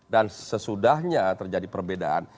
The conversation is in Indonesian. dan sesudahnya terjadi perbedaan